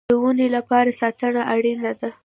د ونو لپاره ساتنه اړین ده